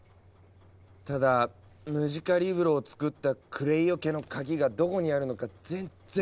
ただムジカリブロをつくったクレイオ家の鍵がどこにあるのか全然分からない。